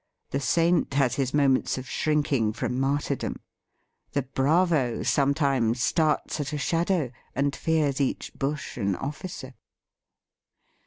The saint has his moments of shrinking from martyrdom. The bravo sometimes starts at a shadow, and fears each bush an officer.